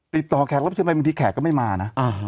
ติดต่อแขกแล้วช่วยไปบางทีแขกก็ไม่มานะ